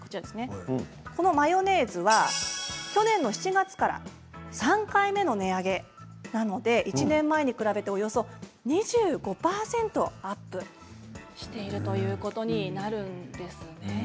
このマヨネーズは去年の７月から３回目の値上げなので１年前に比べておよそ２５％アップしているということになるんですね。